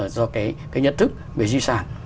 do cái nhận thức về di sản